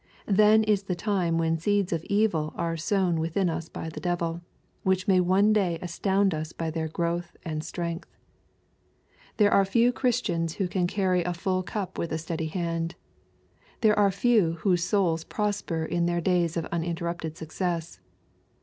Then is the time when seeds of ev'l are sown within us by the devil, which may one day astound us by their growth and strength. There are few Chris 360 EXPOSITOBT THOUGHTS. tians who can carry a full cup with a steady hand. There are few whose souls prosper in their days of uninterrupted success.